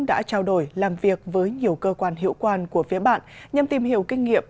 đã trao đổi làm việc với nhiều cơ quan hiệu quan của phía bạn nhằm tìm hiểu kinh nghiệm